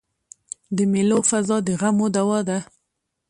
د مېلو فضا د غمو دوا ده.